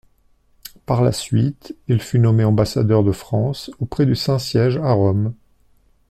Par la suite il fut nommé ambassadeur de France auprès du Saint-Siège à Rome.